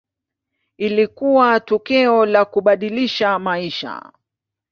Ilikuwa tukio la kubadilisha maisha.